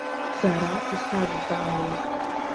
Сара исазҵаауеит.